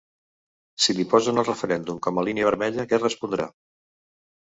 Si li posen el referèndum com a línia vermella, què respondrà?